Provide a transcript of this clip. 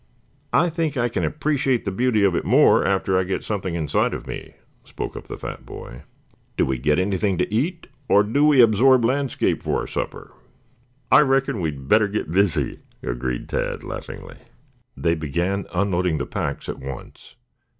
"I think I can appreciate the beauty of it more after I get something inside of me," spoke up the fat boy. "Do we get anything to eat or do we absorb landscape for our supper?" "I reckon we had better get busy," agreed Tad laughingly. They began unloading the packs at once.